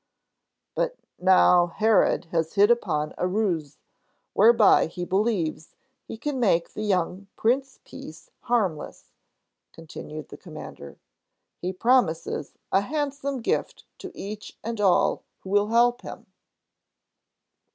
"But now Herod has hit upon a ruse, whereby he believes he can make the young Peace Prince harmless," continued the Commander. "He promises a handsome gift to each and all who will help him."